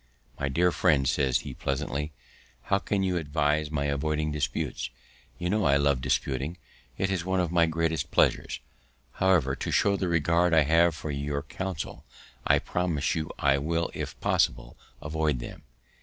"My dear friend," says he, pleasantly, "how can you advise my avoiding disputes? You know I love disputing; it is one of my greatest pleasures; however, to show the regard I have for your counsel, I promise you I will, if possible, avoid them."